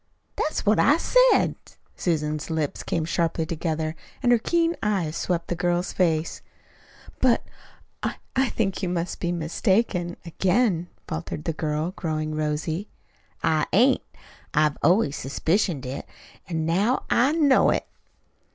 "That's what I said." Susan's lips came sharply together and her keen eyes swept the girl's face. "But, I I think you must be mistaken again," faltered the girl, growing rosy. "I ain't. I've always suspicioned it, an' now I know it."